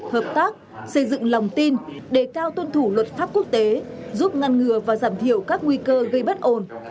hợp tác xây dựng lòng tin đề cao tuân thủ luật pháp quốc tế giúp ngăn ngừa và giảm thiểu các nguy cơ gây bất ổn